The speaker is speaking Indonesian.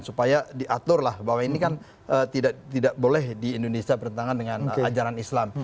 supaya diaturlah bahwa ini kan tidak boleh di indonesia bertentangan dengan ajaran islam